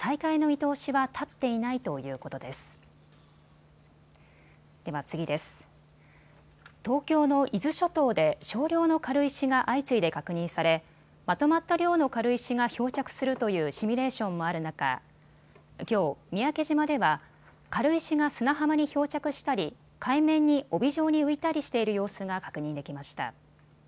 東京の伊豆諸島で少量の軽石が相次いで確認されまとまった量の軽石が漂着するというシミュレーションもある中、きょう、三宅島では軽石が砂浜に漂着したり海面に帯状に浮いたりしている様子が確認できました。